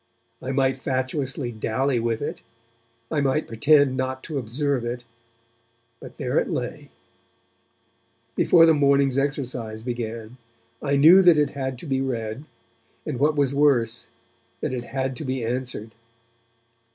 I might fatuously dally with it, I might pretend not to observe it, but there it lay. Before the morning's exercise began, I knew that it had to be read, and what was worse, that it had to be answered.